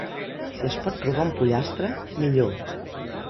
Si es pot robar un pollastre, millor.